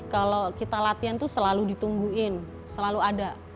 kalau kita latihan itu selalu ditungguin selalu ada